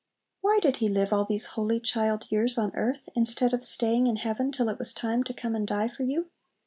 Why did He live all these holy child years on earth instead of staying in heaven till it was time to come and die for you?